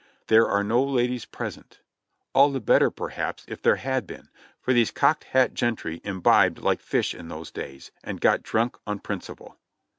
There are no ladies present — all the better, perhaps, if there had been, for these cocked hat gentry imbibed Hke fish in those days, and got drunk on principle.